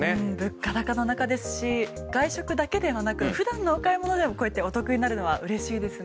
物価高の中でお寿司外食だけではなく普段のお買い物でもお得になるのは嬉しいですね。